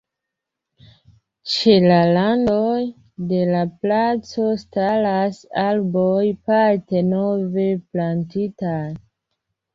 Ĉe la randoj de la placo staras arboj, parte nove plantitaj.